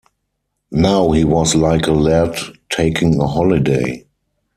Now he was like a lad taking a holiday.